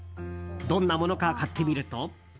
どんなものか買ってみると。